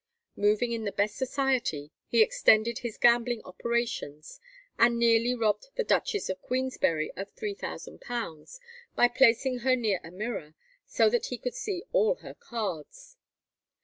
Moving in the best society, he extended his gambling operations, and nearly robbed the Duchess of Queensbury of £3,000 by placing her near a mirror, so that he could see all her cards.